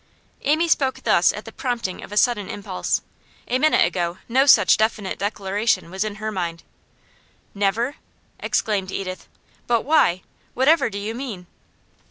Amy spoke thus at the prompting of a sudden impulse. A minute ago, no such definite declaration was in her mind. 'Never?' exclaimed Edith. 'But why? Whatever do you mean?